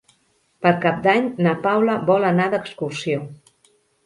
Per Cap d'Any na Paula vol anar d'excursió.